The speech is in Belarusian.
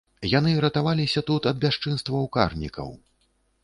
Яны ратаваліся тут ад бясчынстваў карнікаў.